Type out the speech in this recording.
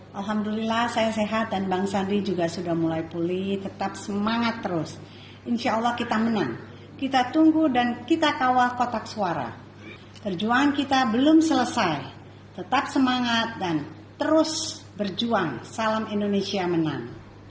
pertanyaan terakhir bagaimana cara anda menangkan kesempatan untuk menangkan kesempatan untuk menangkan kesempatan untuk menangkan kesempatan